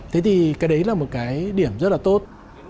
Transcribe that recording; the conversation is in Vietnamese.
thế thì cái đấy là một cái điểm rất là tốt